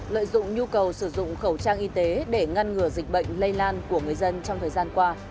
lợi dụng nhu cầu sử dụng khẩu trang y tế để ngăn ngừa dịch bệnh lây lan của người dân trong thời gian qua